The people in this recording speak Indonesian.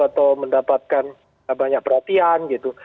atau mendapatkan banyak perhatian gitu